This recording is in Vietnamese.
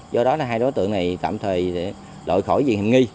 do đó là hai đối tượng này tạm thời để đổi khỏi việc nghi